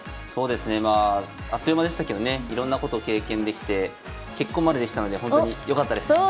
そうですねあっという間でしたけどねいろんなこと経験できて結婚までできたのでほんとによかったです。